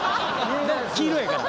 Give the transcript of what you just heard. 黄色やから。